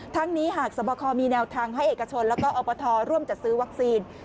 ทั้งนี้หากสวบคอมีแนวทางให้เอกชนแล้วก็อปทร่วมจัดซื้อวัคซีน